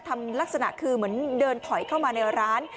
ลักษณะคือเหมือนเดินถอยเข้ามาในร้าน